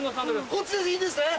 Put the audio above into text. こっちでいいんですね！